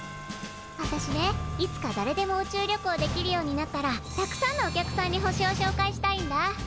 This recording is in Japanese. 私ねいつかだれでも宇宙旅行できるようになったらたくさんのお客さんに星をしょうかいしたいんだ。